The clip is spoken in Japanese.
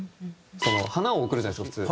花を贈るじゃないですか普通。